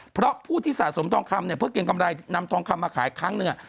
เพราะผู้ที่สะสมทองคำเนี่ยเพื่อเก็บกำไรนำทองคำมาขายครั้งหนึ่ง